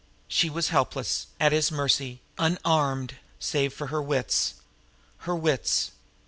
She was helpless, at his mercy, unarmed, saved for her wits. Her wits!